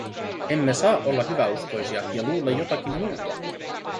Emme saa olla hyväuskoisia ja luulla jotakin muuta.